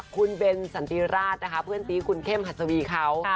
คุณเบนสันติราชนะคะเพื่อนซีคุณเข้มหัสวีเขา